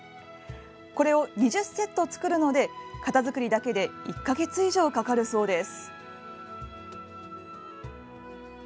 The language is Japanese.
これを、２０セット作るので型作りだけで１か月以上かかるそうです。